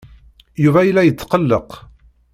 Yuba yella yetqelleq.